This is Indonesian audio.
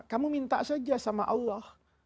kamu minta saja sama allah